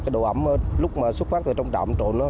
đồ ấm lúc xuất phát từ trong trạm trộn